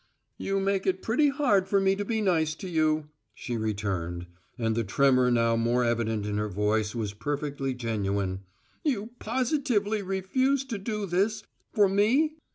"You make it pretty hard for me to be nice to you," she returned, and the tremor now more evident in her voice was perfectly genuine. "You positively refuse to do this for me?"